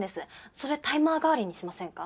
それタイマー代わりにしませんか？